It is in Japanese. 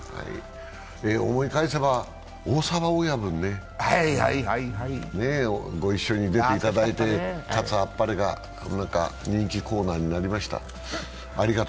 思い返せば大沢親分ね、ご一緒に出ていただいて、「喝、あっぱれ」が人気コーナーになりました。